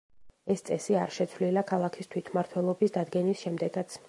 ეს წესი არ შეცვლილა ქალაქის თვითმმართველობის დადგენის შემდეგაც.